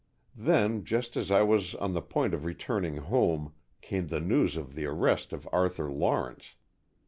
Then, just as I was on the point of returning home, came the news of the arrest of Arthur Lawrence.